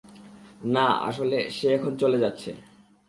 না, আসলে, সে এখন চলে যাচ্ছে।